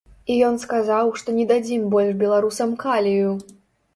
І ён сказаў, што не дадзім больш беларусам калію!